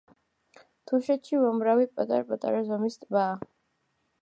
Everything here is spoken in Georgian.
თუშეთში უამრავი პატარ-პატარა ზომის ტბაა.